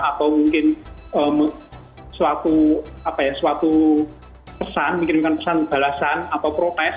atau mungkin suatu pesan mengirimkan pesan balasan atau protes